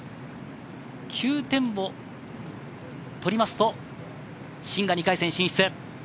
９点を取りますと、シンが２回戦進出。